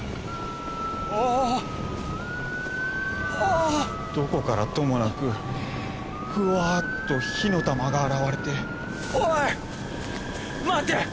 ああどこからともなくフワーッと火の玉が現れておい待て！